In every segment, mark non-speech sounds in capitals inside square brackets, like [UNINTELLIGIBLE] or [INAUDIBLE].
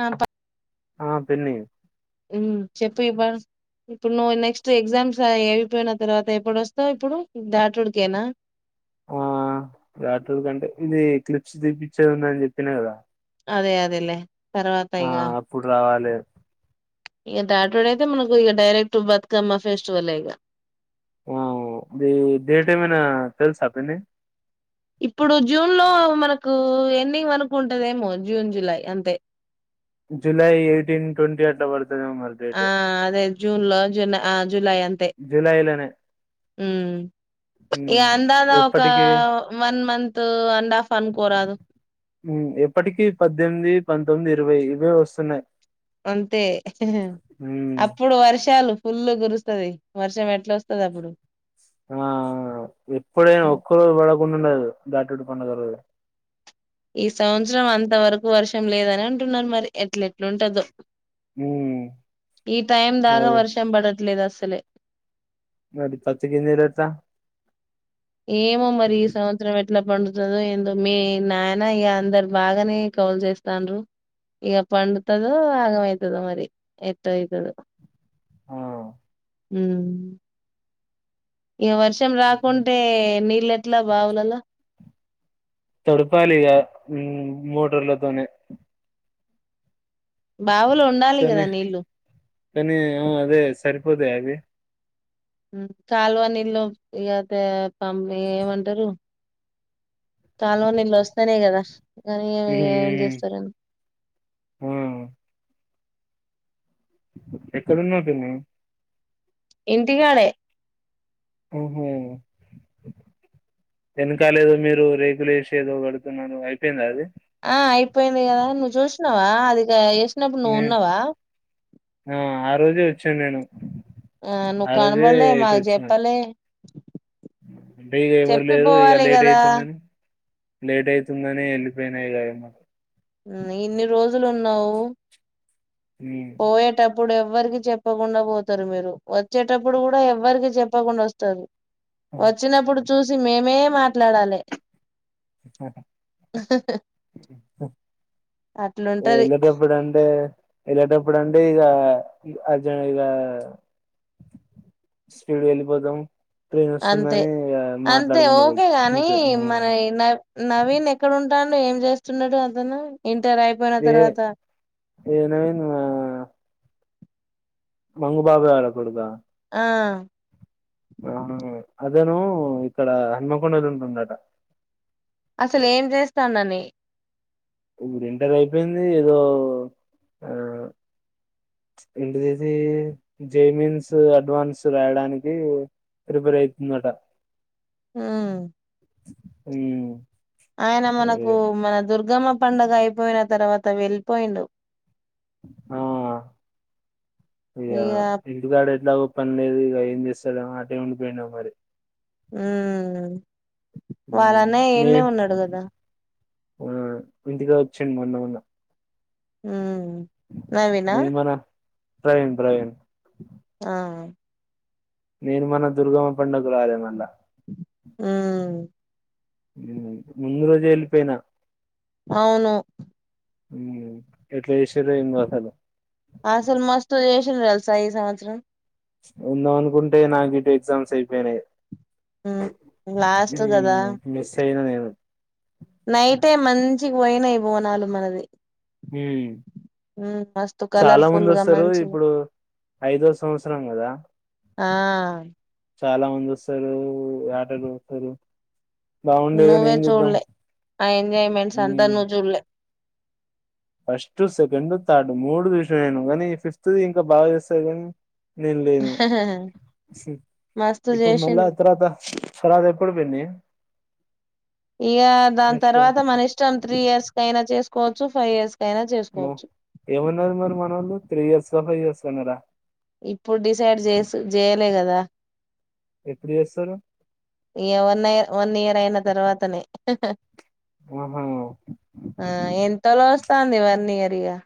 ఆ ఆ పిన్ని చెప్పు [UNINTELLIGIBLE] ఇప్పుడు నువ్వు నెక్స్ట్ ఎగ్జామ్స్ అయిపోయిన తర్వాత ఎప్పుడు వాస్తవ ఇప్పుడు దాటుడికేనా రతిరి కంటే ఇది క్లిప్స్ తీప్పించేది ఉంద అని చెప్పిన కదా అదే అదేలే తర్వాత ఆ ఇగ అప్పుడు రావాలి ఇక డాటోడ్ అయితే మనకు ఇక డైరెక్ట్ బతుకమ్మ ఫెస్టివల్ ఇక ఆ ఇది డేట్ ఏమైనా తెలుసా పిన్ని ఇప్పుడు జూన్ లో మనకు ఎండింగ్ అనుకుంటద ఏమో జూన్ జులై అంతే జులై ఎయిటీన్ ట్వంట ఆటా ఆ అదే జూన్ లో జూలై ఆ జులై అంతే జూలైలోనే ఉమ్ ఇగా [UNINTELLIGIBLE] ఒక ఎప్పటికి వన్ మంత అండ్ఫ్ అనుకోరాదు ఉమ్ ఎప్పటికి పద్దెనిమిది పంతొమ్మిది ఇరవై ఇవే వస్తున్నాయి అంతే ఉమ్ అప్పుడు వర్షాలు ఫుల్లు కురుస్తుంది వర్షం ఎట్లా వస్తుంది అప్పుడు ఆ ఎప్పుడైనా ఒక్క రోజు కూడా పని ఉండదు దాటుడు పండగ రోజు ఈ సంవత్సరం అంత వరకు వర్షం లేదని అంటున్నరు మరి ఎట్ల ఎట్లు ఉంటదో ఉమ్ ఈ టైం దాగా అదే వర్షం పడట్లేదు అస సలే మరి పత్తి గింజలెట్లా ఏమో మరి ఈ సంవత్సరం ఎట్లా పండుతదో ఏందో మీ నానా ఇక అందరు బాగానే కౌల్ చేస్తాండ్రు ఇక పండుతదో ఆగమవుతదో మరి ఎట్ట అయితదో ఆ హ్మ్ ఇగ వర్షం రాకుంటే నీళ్ళ ఎట్లా బావులల్లా తడపాలిగా ఉ మోటర్లతోనే బావులు ఉండాలి కదా నీళ్ళు కని ఆ అదే సరిపోతయా అవి కాల్వ నీల్లో ఇగ పంపి ఏమంటరు కాల్వనీళ్లు వస్తేనే కదా కానీ ఎ ఏం మ్మ్ చేస్తారో ఆ ఎక్కడ ఉన్నావు పిన్ని ఇంటికాడే ఓహో వెనకాలేదో మీరు రేకులేసి ఏదో కడుతున్నారు అయిపోయిందా అది ఆ అయిపోయింది కదా. నువ్వు చూసినవా అది న్నప్పుడు నే- నువ్వున్నావా జే వచ్చిన్ నేను ఆ నువ్వు రోజే కనపడలే ఇటు మాకు వచ్చిన చెప్పాలే అంటే ఇక ఎవరు లేరు ఇక చెప్పిపోవాలి లేట్ కదా అయితుందని లేట్ అయితుందని వెళ్ళిపోయినాయి గదా ఇన్ని రోజులు ఉన్నావు మ్మ్ పోయేటప్పుడె ఎవ్వరికి చెప్పకుండా పోతరు మీరు వచ్చేటప్పుడు కూడా ఎవ్వరికి చెప్పకుండా వస్తరు వచ్చినప్పుడు చూసి మేమే మాట్లాడాలె అట్లుంటది వెళ్లేటప్పుడు అంటే వెళ్ళేటప్పుడు అంటే ఇక అర్జెంట్ ఇక స్పీడ్గా వెళ్ళిపోతాం. పెయిన్ అంతే వస్తుందని ఇగ అంతే మాట్లాడుకుండా ఓకే గాని మీతో మన న నవీన్ ఎక్కడున్ టాండు ఏం చేస్తున్నాడు అతను ఇంటర్ అయిపోయిన ఏ తర్వాత [UNINTELLIGIBLE] మంగు బాబాయ్ వాళ్ళ కొడుకా ఆ ఆ అదేను ఇక్కడ హన్మకొండలుంటుండట అసలు ఏం చేస్తాండని ఇప్పుడు ఇంటర్ అయిపోయింది ఏదో ఆ ఇంటి తీసి జైమిన్స్ అడ్వాన్స్ రాయడానికి ప్రిపేర్ అయితుందట మ్ ఉమ్ ఆయన మనకు మన దుర్ ర్గమ్మ పండుగ అయిపోయిన తర్వాత వెళ్ళిపోయిండు ఆ ఇగ హిందుగాడు ఎట్లాగో పనిలేదు ఇగ ఏం చేస్తాడేమో అటే ఉండిపోయిండో మరి మ్ వాళ్ళన్న నే ఈడ్నే ఉన్నాడు గదా ఆ ఇంటికే వచ్చిండు మొన్న మొన్న మ్ నవీనా ట్రైన్ ట్రైన్ ఆ నిర్మన దుర్గమ్మ పండగక్కు రాలే మల్ల మ్మ్మ్ ముందు రోజే ఎళ్ళిపోయినా అవును ఉం ఎట్ల చేసిర్రో ఏందో అసలు అసలు మస్తు చేసిండ్రు తెలుసా ఈ సంవత్సరం ఉందాం అనుకుంటే నాకిటు ఎగ్జామ్స్ ఐపోయినాయ్ ఉమ్ లాస్ట్ కదా [UNINTELLIGIBLE] మిస్ అయినా నేను నైటే మంచిగ పోయినాయి బోనాలు మనది హుమ్ ఉమ్ మస్తు చాలా కలర్ఫుల్ మంది గా వస్తారు మంచిగా ఇప్పుడు ఐదో సంవత్సరం గదా ఆ చాలా మంది వస్తారు యాట గొడ్తరు నువ్వే చూడలే ఆ ఎంజాయ్మెంట్స్ అంతా ఉమ్ నువ్ జూడ్ లే ఫస్ట్ సెకండ్ తార్డ్ మూడు చూసా నేను కానీ ఫిఫ్త్ ఇంకా బాగా చేస్తారు కాని నేను లేను మస్తు ఇప్పుడు మళ్ళా చేసిండ్రు తర్వాత తర్వాత ఎప్పుడు పిన్ని ఇగ దాని నెక్స్ట్ తర్వాత మన ఇష్టం త్రీ ఇయర్స్ కైనా చేస్ కోచు ఫైస్ ము ఏమన్నారు మరి మన ఓళ్ళు త్రీ ఇయర్స్ [INAUDIBLE] సన్నరా ఇప్పుడు డిసైడ్ జెస్ జెయలే గదా ఎప్పుడు చేస్తారు ఏ వన్ వన్ ఇయర్ అయి తర్వాతనే హహ్ ఆహా ఆ ఎంతలో వస్తాంది ఇవ్వన్ని దిగా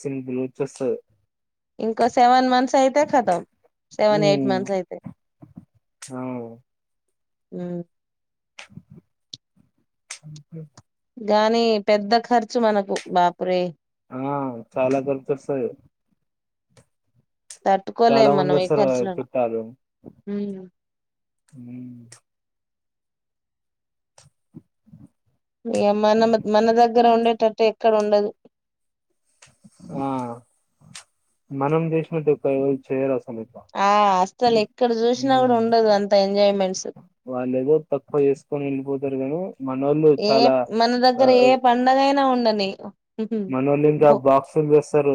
సిం బ్లు చస్ ఇంకో సెవెన్ మంత్స్ అయితే కతమ్ సెవెన్ ఎయిట్ ఉమ్ మంత్స్ అయితే ఆ హమ్ ఒకే గాని పెద్ద ఖర్చు మనకు బాపురే ఆ చాలా ఖర్చు వస్తది చాలా తట్టుకోలేం మంది మనం ఈ వస్తరు గదా ఖర్చులను చుట్టాలు హమ్ ఇ మన మన దగ్గర ఉండేట టె ఎక్కడుండదు ఆ మనం చేసినంత ఉపా ఎవరు చెయ్యరు ఆ అస్సలు ఎక్కడ చూసినా కూడా ఉమ్ ఉండదు అంత ఎంజాయ్మెంట్స్ సరే నేను ఏ మన దగ్గర ఏ పండగైనా ఉండని [INAUDIBLE] మనోళ ఇంకా బాక్సులు తెస్తరు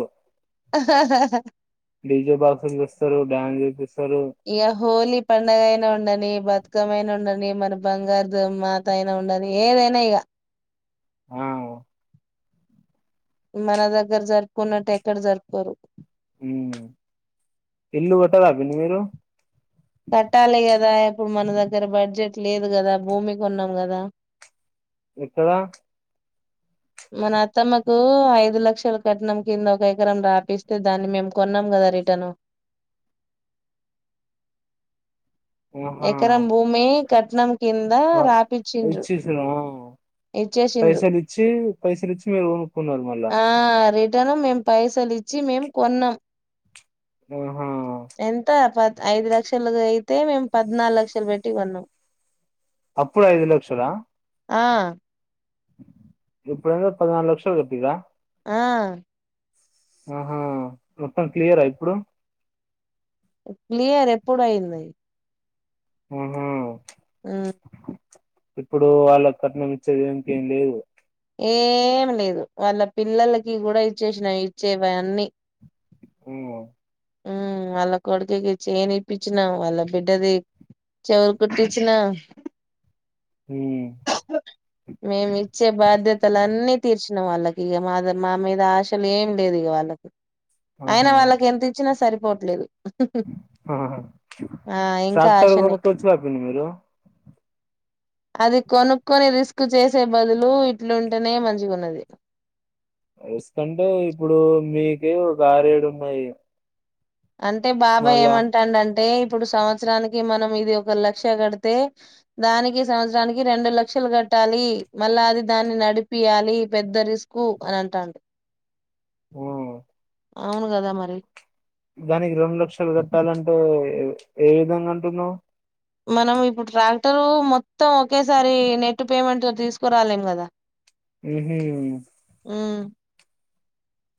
డీజే బాక్స్లూ తెస్తరు డ్యాన్ చూపిస్ ఇగ హోలీ పండగ అయినా ఉండని బతుకమ అయినా ఉండని మ బంగారు ద మాత అయినా ఉండాలి ఏదైనా ఇగ ఆ మన దగ్గర జరుపుకున్నట్టు ఎక్కడ జరుపుకోరు హమ్ ఇల్లు కొట్టదా మరి మీరు కట్టాలి కదా ఇప్పుడు మన దగ్గర బడ్జెట్ లేదు గదా భూమి కొన్నాం కదా ఎక్కడా మన అత్తమ్మకు ఐదు లక్షలు కట్నం కింద ఒక ఎకరం రాపిస్తే దాన్ని మేము కొన్నాం కదా రిటర్న్ ఆహా ఎకరం భూమి కట్నం కింద రాపిచిండ్రు పైసలిచ్చి పైసలు ఇచ్చి మీరు కొనుక్కున్నరు మళ్ళా టను మేం పైసలిచ్చి మేము కొన్నాం ఆహా ఎంత పా ఐదు లక్షలు అయితే మేము పద్నాలుగు లక్షలు పెట్టి కొన్నాం అప్పుడు ఐదు లక్షల ఆ ఇప్పుడుంద పదినాాలుగు లక్షలు [UNINTELLIGIBLE] ఆ ఆహా మొత్తం క్లియరా ఇప్పుడు క్లియర్ ఇప్పుడు అయింది ఉహ ఉమ్, ఇప్పుడు వాళ్ళ కట్నం ఇచ్చేది ఇంకేం లేదు ఏం లేదు వాళ్ళ పిల్లలకి కూడా ఇచ్చేసినావి ఇచ్చే అన్ని ఓ ఉ వాళ్ళ కొడుకికి చేన్ ఇప్పిచ్చినా వాళ్ళ బిడ్డది చెవులు కుట్టించినా ఉమ్ మేము ఇచ్చే బాధ్యతలు అన్నిీ తీర్చిన వాళ్ళకి ఇక మా మా మీద ఆశలు ఏమి లేదు ఇక వాళ్ళకి అయినా ఆహా వాళ్ళకి ఎంత సరిపోవట్లేదు ఆహా ఆ ఇంకా ట్రాక్టర్ ఆశనే కొనుక్కోవచ్చుగా పిన్ని మీరు అది కొనుక్కని రిస్ చేసే బదులు ఇట్లుంటేనే మంచిగున్నది ఎసుకంటే ఇప్పుడు మీకే ఒక ఆరు ఏడు ఉన్నాయి అంటే బాబాయ మళ్ళా ఏమంటాండ అంటే ఇప్పుడు సంవత్సరానికి మనం ఇది ఒక లక్ష కడితే దానికి సంవత్సరానికి రెండు లక్షలు కట్టాలి మళ్ళా అది దాన్ని నడిపియాలి పెద్ద రిస్క్ అని అంటాండు ఆఓ అవును కదా మరి దానికి రెండు లక్షలు కట్టాలంటే ఏ విధం గా అంటున్నావ్ మనం ఇప్పుడు ట్రాక్టరు మొత్తం ఒకేసారి నెట్ పేమెంట్ తో తీసుకురాలేం కదా ఆహ ఆ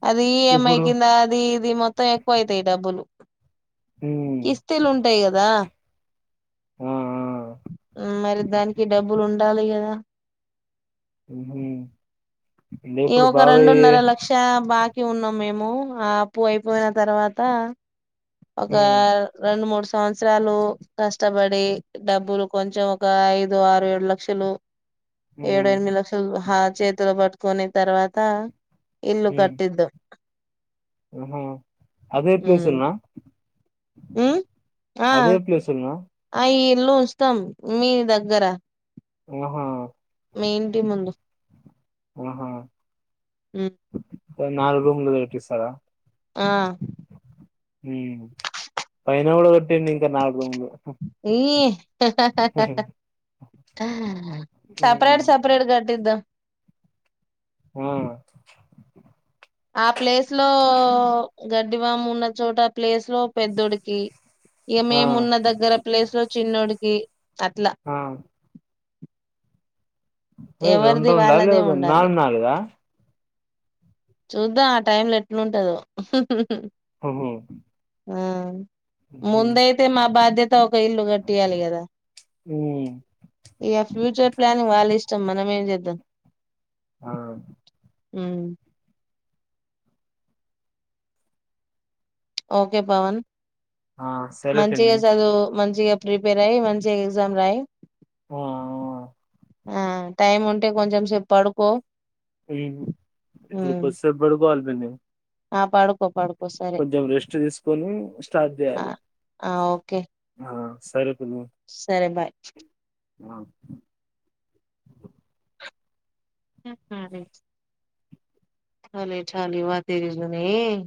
అది ఈఎంఐ ఇప్పుడు కింద అది ఇది మొత్తం ఎక్కువ అవుతాయి డబ్బులు ఉమ్ కిస్తీలు ఉంటాయి కదా ఆ ఆ మరి దానికి డబ్బులు ఉండాలి కదా ఉహు అంటే ఈ ఇప్పుడు ఒక బాబాయ్ రెండున్నర లక్ష బాకీ ఉన్నాం మేము ఆ అప్పు అయిపోయిన తర్వాత ఒక ఉమ్ రెండు మూడు సంవత్సరాలు కష్టపడి డబ్బులు కొంచెం ఒక ఐదు ఆరు ఏడు లక్షలు ఏడు ఉమ్ ఎనిమిది లక్షలు హ చేతుల బతు కొనే తర్వాత ఇల్లు కట్టిదాం హా అదే ప్లేస్ ల ఉమ్ న్నా ఉమ్ అదే ప్లేస్ న్నా ఇ ఇల్లు ఉస్తాం మీ దగ్గర ఆహా మీ ఇంటి ముందు ఆహా ఉమ్ ఓ నాలుగు రూమ్లు కట్టిస్తార ఆ హ్మ్ పైన కూడా కొట్టటి ఇంకా నాాలుగు రూంలు ఈ హ హ హ సప్రేట్ ఉమ్ సపరేట్ కట్టిందం ఆ ఆ ప్లేస్ లో గడ్డివాము ఉన్న చోట ఆ ప్లేస్ లో పెద్దోడికి ఇగ ఆ మేము ఉన్న దగ్గర ప్లేస్ లో చిన్నడోకి అట్లా ఆ అ ఎవరిది రెండు రెండు వాళ్ళదే లేకపోతే ఉండాలి నాలుగు నాలుగు అ చూద్దాం ఆ టైమ్ లో ఎట్లుంటదో ఓహో ఆ ముందైతే మా బాధ్యత్ త ఒక ఇల్లు కట్టియాలి కదా ఉమ్ ఇగ ఫ్యూచర్ ప్లాన్ వాళ్ళ ఇష్ట ఇచ్చ మనం ఏం చేద్దాం అవును ఉ ఓకే పవన్ ఆ సరే పిన్ని మంచిగా చదువు మంచి మంచిగా ప్రిపేర్ అయ్యి మంచిగా ఎగ్జామ్ రాయి ఆ ఆ టైం ఉంటే కొంచెం సేపు పడుకో ఉ ఇప్పుడు ఉమ్. కోసేపు బాడుకోవాలి బెందేవు ఆ పడుకో పడుకో సరే కొంచెం రెస్ట్ తీసుకొని స్టార్ట్ ఆ చేయాలి ఆ ఓకే ఆ సరే పిన్ని సరే బాయ్ ఆ [UNINTELLIGIBLE] చాలే చాల [UNINTELLIGIBLE]